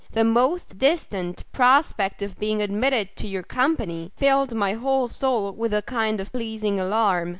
the most distant prospect of being admitted to your company, filled my whole soul with a kind of pleasing alarm!